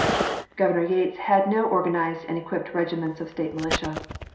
Governor Yates had no organized and equipped regiments of State militia.